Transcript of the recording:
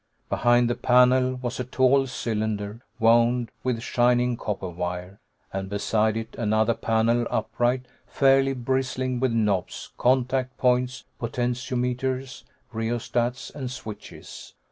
Behind the panel was a tall cylinder wound with shining copper wire, and beside it another panel, upright, fairly bristling with knobs, contact points, potentiometers, rheostats and switches.